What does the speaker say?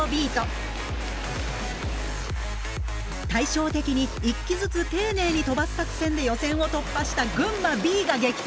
対照的に１機ずつ丁寧に飛ばす作戦で予選を突破した群馬Ｂが激突。